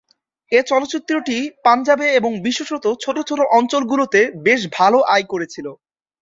এই চলচ্চিত্রটি পাঞ্জাবে এবং বিশেষত ছোট ছোট অঞ্চলগুলোতে বেশ ভালো আয় করেছিল।